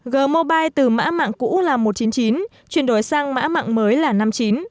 g mobile từ mã mạng cũ là một trăm chín mươi chín chuyển đổi sang mã mạng mới là năm mươi chín